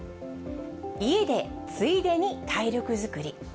家でついでに体力作り。